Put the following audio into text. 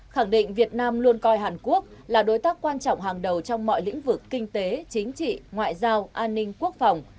khẳng định việt nam luôn coi hàn quốc là đối tác quan trọng hàng đầu trong mọi lĩnh vực kinh tế chính trị ngoại giao an ninh quốc phòng